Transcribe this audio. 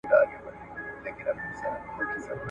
دا هيواد به آزاديږي `